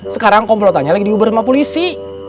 sekarang komplotannya lagi digubur sama polisi